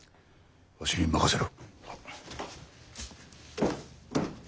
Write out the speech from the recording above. わしに任せろ。